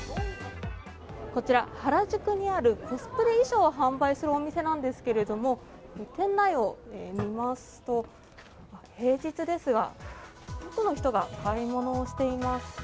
こちら、原宿にあるコスプレ衣装を販売するお店なんですけれども店内を見ますと、平日ですが多くの人が買い物をしています。